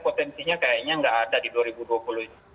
potensinya kayaknya nggak ada di dua ribu dua puluh ini